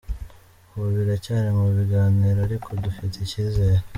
Ubu biracyari mu biganiro ariko dufite icyizere.